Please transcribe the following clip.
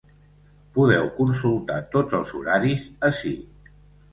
Podeu consultar tots els horaris ací.